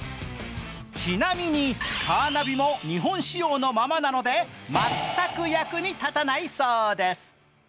ちなみにカーナビも日本仕様のままなので全く役に立たないそうです。